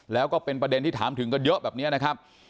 แล้วก็เป็นประเด็นที่ถามถึงกันเยอะแบบนี้นะครับ